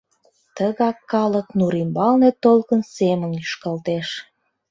Тыгак калык нур ӱмбалне толкын семын лӱшкалтеш.